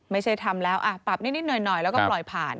ไม่ใช่ทำแล้วปรับนิดหน่อยแล้วก็ปล่อยผ่าน